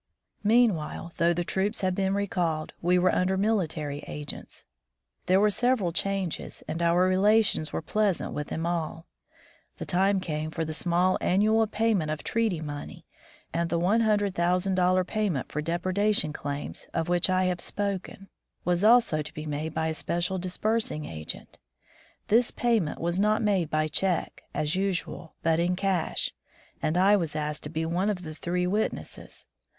Meanwhile, though the troops had been recalled, we were under military agents; there were several changes, and our relations were pleasant with them all. The time 127 From the Deep Woods to Civilization came for the small amiual payment of treaty money, and the one hundred thousand dollar payment for depredation claims, of which I have spoken, was also to be made by a special disbursing agent. This payment was not made by check, as usual, but in cash, and I was asked to be one of the three wit nesses.